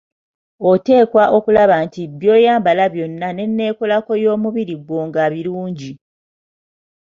Oteekwa okulaba nti byoyambala byonna nenneekolako eyomubiri gwo nga birungi.